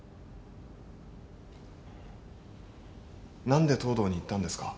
何で藤堂に言ったんですか？